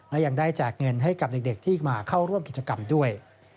และยังได้แจกเงินให้กับเด็กที่มาเข้าร่วมกิจกรรมด้วย